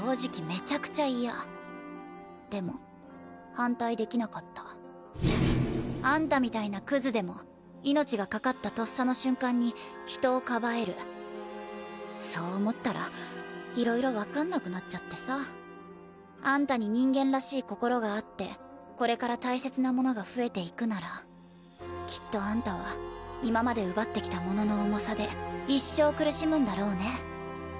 めちゃくちゃ嫌でも反対できなかったあんたみたいなクズでも命がかかったとっさの瞬間に人をかばえるそう思ったら色々分かんなくなっちゃってさあんたに人間らしい心があってこれから大切なものが増えていくならきっとあんたは今まで奪ってきたものの重さで一生苦しむんだろうね